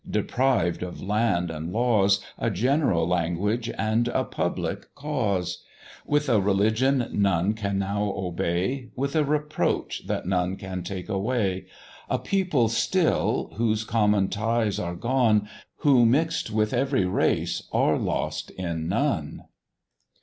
deprived of land and laws, A general language and a public cause; With a religion none can now obey, With a reproach that none can take away: A people still, whose common ties are gone; Who, mix'd with every race, are lost in none.